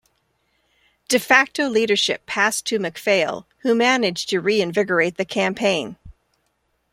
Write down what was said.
De facto leadership passed to MacPhail, who managed to reinvigorate the campaign.